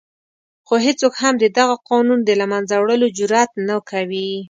خو هېڅوک هم د دغه قانون د له منځه وړلو جرآت نه کوي.